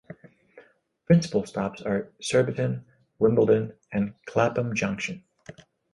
Principal stops are Surbiton, Wimbledon and Clapham Junction.